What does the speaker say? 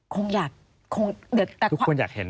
คงอยากเด็ดทุกคนอยากเห็น